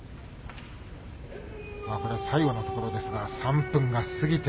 最後のところですが３分過ぎて。